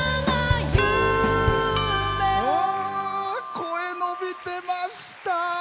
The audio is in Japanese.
声、伸びてました。